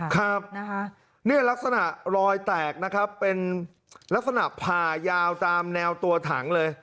ครับเนี่ยลักษณะรอยแตกนะครับเป็นลักษณะผ่ายาวตามแนวตัวถังเลย